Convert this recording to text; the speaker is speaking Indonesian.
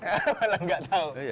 malah nggak tahu